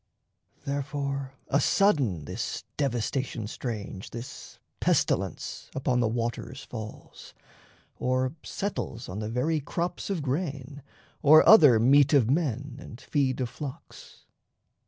Therefore, asudden this devastation strange, This pestilence, upon the waters falls, Or settles on the very crops of grain Or other meat of men and feed of flocks.